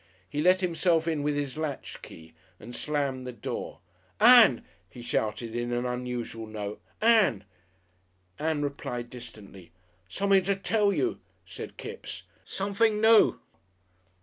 He let himself in with his latch key and slammed the door. "Ann!" he shouted, in an unusual note; "Ann!" Ann replied distantly. "Something to tell you," said Kipps; "something noo!"